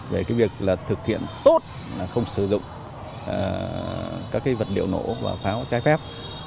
về việc thực hiện tốt không sử dụng các vật liệu nổ và pháo trái phép